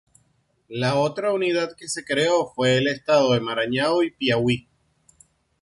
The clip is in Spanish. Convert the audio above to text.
La otra unidad que se creó fue el Estado del Maranhão y Piauí.